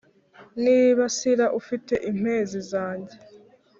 Nibasira ufite impenzi zanjye